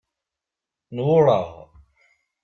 N wureɣ.